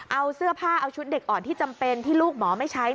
เอาเสื้อผ้าเอาชุดเด็กอ่อนที่จำเป็นที่ลูกหมอไม่ใช้